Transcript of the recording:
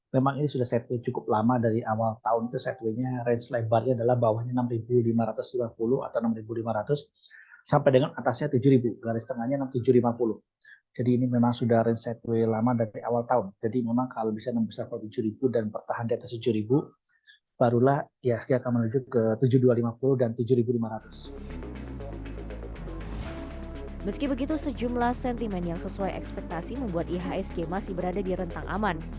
meski begitu sejumlah sentimen yang sesuai ekspektasi membuat ihsg masih berada di rentang aman